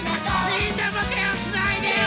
みんなもてをつないでよ！